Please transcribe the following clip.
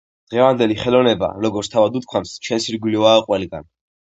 დღევანდელი ხელოვნება, როგორც თავად უთქვამს, ჩვენს ირგვლივაა ყველგან.